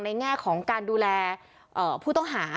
แง่ของการดูแลผู้ต้องหา